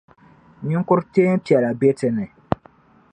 Niŋkur’ teempiɛla be ti ni.